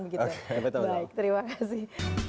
baik terima kasih